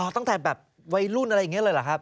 ตั้งแต่แบบวัยรุ่นอะไรอย่างนี้เลยเหรอครับ